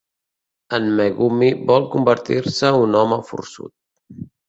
En Megumi vol convertir-se un home forçut.